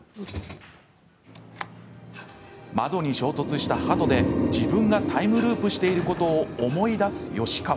窓に衝突したハトで、自分がタイムループしていることを思い出す吉川。